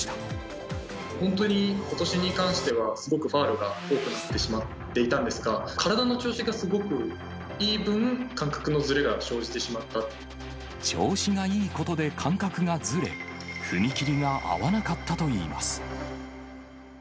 本当にことしに関しては、すごくファウルが多くなってしまっていたんですが、体の調子がすごくいい分、調子がいいことで感覚がずれ、踏み切りが合わなかったといいます。